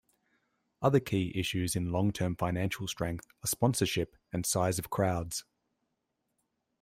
Other key issues in long-term financial strength are sponsorship and size of crowds.